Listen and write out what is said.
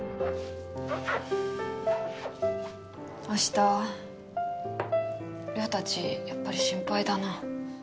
明日稜たちやっぱり心配だな。